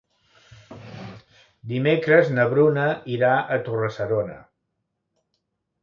Dimecres na Bruna irà a Torre-serona.